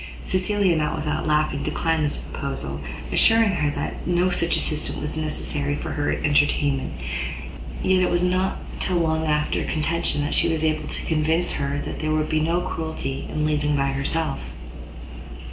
Cecilia, not without laughing, declined this proposal, assuring her that no such assistant was necessary for her entertainment: yet it was not till after a long contention that she was able to convince her there would be no cruelty in leaving her by herself.